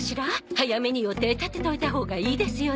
早めに予定立てといたほうがいいですよね？